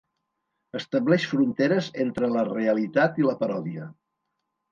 Estableix fronteres entre la realitat i la paròdia.